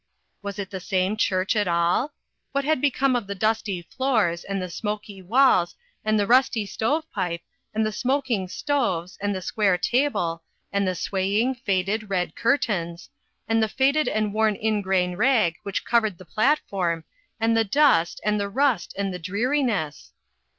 Was it the same church at all? What had become of the dusty floors, and the smoky walls, and the rusty stove pipe, and the smoking stoves, and the square table, and the swaying, faded, red curtains, and the faded and worn ingrain rag which had cov ered the platform, and the dust, and the rust and the dreariness